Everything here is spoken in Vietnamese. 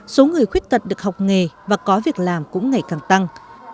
số người khuyết tật được học nghề và có việc làm cũng ngày càng tăng